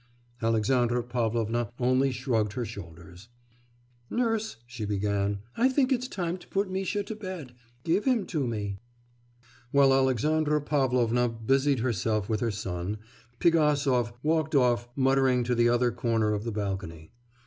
Alexandra Pavlovna only shrugged her shoulders. 'Nurse,' she began, 'I think it's time to put Misha to bed. Give him to me.' While Alexandra Pavlovna busied herself with her son, Pigasov walked off muttering to the other corner of the balcony.